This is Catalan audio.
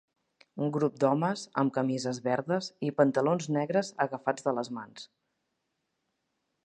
Un grup d'homes amb camises verdes i pantalons negres agafats de les mans.